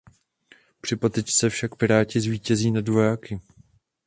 Při potyčce však piráti zvítězí nad vojáky.